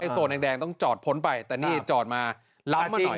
โซนแดงต้องจอดพ้นไปแต่นี่จอดมาล้ำก่อน